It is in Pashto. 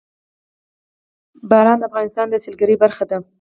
باران د افغانستان د سیلګرۍ برخه ده.